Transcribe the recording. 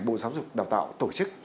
bộ giáo dục đào tạo tổ chức